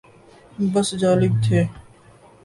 بس جالب تھے۔